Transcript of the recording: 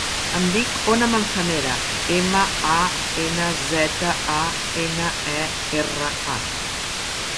Em dic Ona Manzanera: ema, a, ena, zeta, a, ena, e, erra, a.